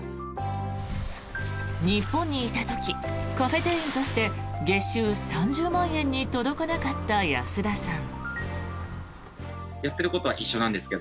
日本にいた時、カフェ店員として月収３０万円に届かなかった安田さん。